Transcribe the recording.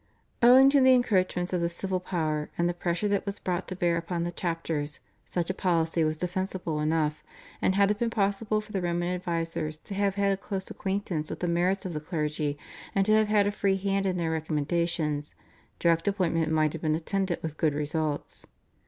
Owing to the encroachments of the civil power and the pressure that was brought to bear upon the chapters such a policy was defensible enough, and had it been possible for the Roman advisers to have had a close acquaintance with the merits of the clergy, and to have had a free hand in their recommendations, direct appointment might have been attended with good results.